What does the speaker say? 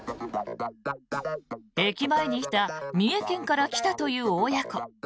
駅前にいた三重県から来たという親子。